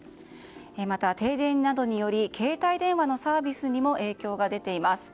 また、停電などにより携帯電話のサービスにも影響が出ています。